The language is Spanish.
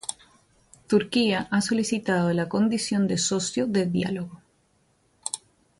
Turquía ha solicitado la condición de socio de diálogo.